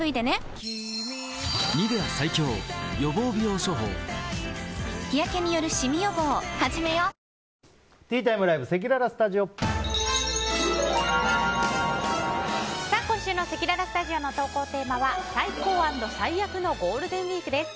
お申込みは今週のせきららスタジオの投稿テーマは最高＆最悪のゴールデンウィークです。